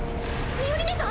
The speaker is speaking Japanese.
ミオリネさん！